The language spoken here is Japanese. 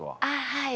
はい。